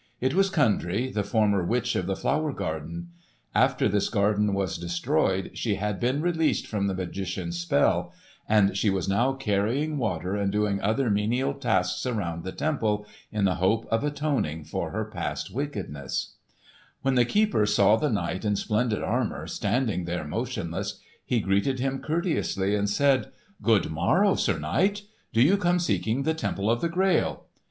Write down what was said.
It was Kundry the former witch of the flower garden. After this garden was destroyed she had been released from the magician's spell, and she was now carrying water and doing other menial tasks around the temple in the hope of atoning for her past wickednesses. [Illustration: The Castle of the Holy Grail H. Thoma By permission of F. Bruckmann, Munich] When the keeper saw the knight in splendid armour standing there motionless, he greeted him courteously and said, "Good morrow, Sir Knight? Do you come seeking the Temple of the Grail?